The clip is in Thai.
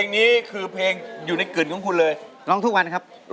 นี่นะครับ